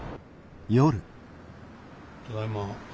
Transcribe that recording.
ただいま。